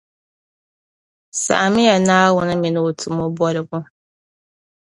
Saɣimi ya Naawuni mini O tumo boligu